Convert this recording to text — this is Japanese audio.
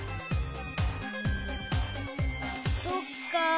そっか。